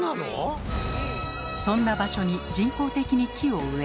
そんな場所に人工的に木を植え